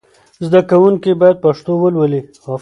زدهکوونکي باید پښتو ولولي.